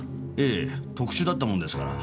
ええ特殊だったもんですから。